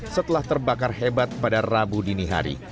setelah terbakar hebat pada rabu dini hari